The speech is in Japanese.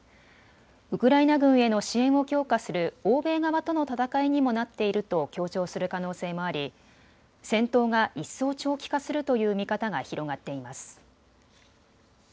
ウクライナ軍への支援を強化する欧米側との戦いにもなっていると強調する可能性もあり戦闘が一層、長期化するという見方が広がっています。